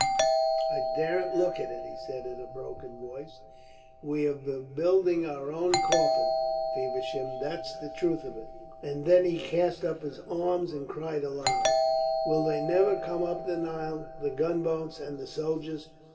"I daren't look at it," he said in a broken voice. "We have been building our own coffin, Feversham, that's the truth of it." And then he cast up his arms and cried aloud: "Will they never come up the Nile, the gunboats and the soldiers?